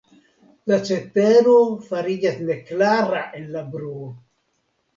La cetero fariĝas neklara en la bruo.